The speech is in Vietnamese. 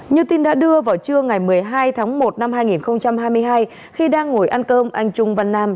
như tin đã đưa vào trưa ngày một mươi hai tháng một năm hai nghìn hai mươi hai khi đang ngồi ăn cơm anh trung văn nam